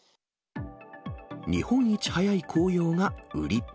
日本一早い紅葉が売り。